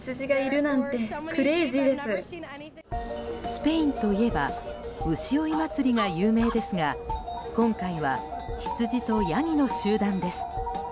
スペインといえば牛追い祭りが有名ですが今回はヒツジとヤギの集団です。